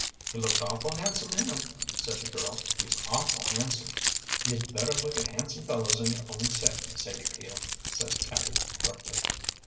"He looked awful handsome in 'em," said the girl. "He's awful handsome." "You'd better look at handsome fellows in your own set, Sadie Peel," said Abby, roughly.